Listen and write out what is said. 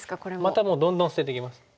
またもうどんどん捨てていきます。